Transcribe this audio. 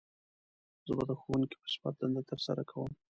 زه به د ښوونکي په صفت دنده تر سره کووم